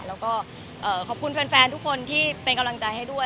แล้วก็ขอบคุณแฟนทุกคนที่เป็นกำลังใจให้ด้วย